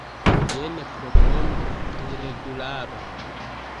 Jen propono pri regularo.